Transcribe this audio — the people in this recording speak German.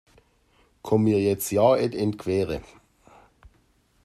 Komm mir jetzt ja nicht in die Quere!